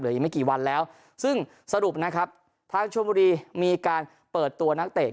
อีกไม่กี่วันแล้วซึ่งสรุปนะครับทางชมบุรีมีการเปิดตัวนักเตะ